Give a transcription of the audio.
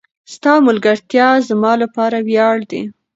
ستا ملګرتیا زما لپاره وياړ دی.